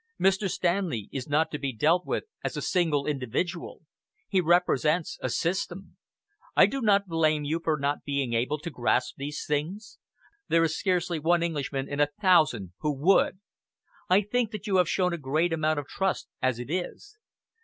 Mr. Stanley is not to be dealt with as a single individual. He represents a system. I do not blame you for not being able to grasp these things. There is scarcely one Englishman in a thousand who would. I think that you have shown a great amount of trust as it is.